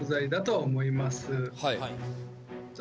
はい。